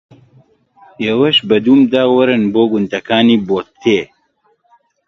ئێوەش بە دوومدا وەرن بۆ گوندەکانی بۆتێ